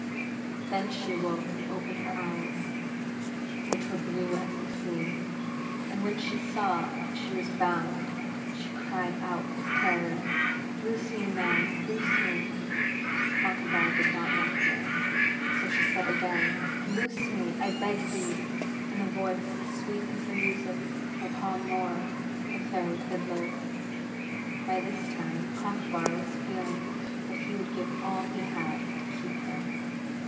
Then she awoke and opened her eyes, which were blue as the sea, and when she saw that she was bound, she cried out with terror, 'Loose me, man, loose me!' Conchubar did not answer, so she said again, 'Loose me, I beg thee!' in a voice as sweet as the music of Hom Mooar, the Fairy Fiddler. By this time Conchubar was feeling that he would give all he had to keep her.